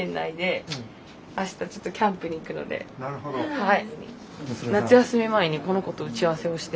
はい。